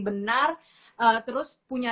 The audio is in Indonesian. benar terus punya